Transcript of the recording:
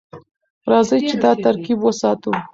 راځئ چې دا ترکیب وساتو.